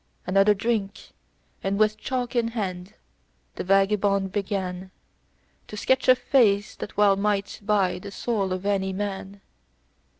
Another drink, and with chalk in hand, the vagabond began To sketch a face that well might buy the soul of any man.